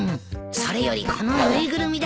それよりこの縫いぐるみだ。